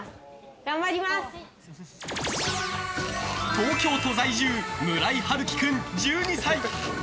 東京都在住村井晴紀君、１２歳。